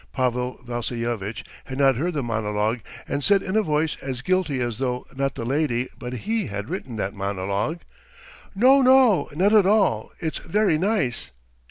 Pavel Vassilyevitch had not heard the monologue, and said in a voice as guilty as though not the lady but he had written that monologue: "No, no, not at all. It's very nice.